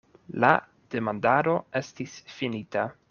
La demandado estis finita.